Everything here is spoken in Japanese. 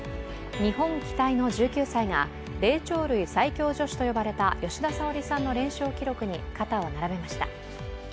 日本期待の１９歳が霊長類最強女子と呼ばれた吉田沙保里さんの連勝記録に肩を並べました。